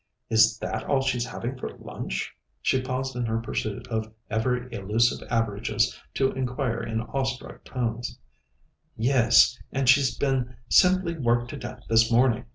"Is that all she's having for lunch?" she paused in her pursuit of ever elusive averages to inquire in awestruck tones. "Yes, and she's been simply worked to death this morning.